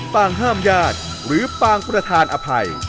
ปางห้ามญาติหรือปางประธานอภัย